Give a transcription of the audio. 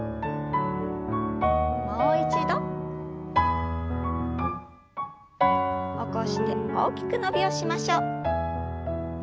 もう一度。起こして大きく伸びをしましょう。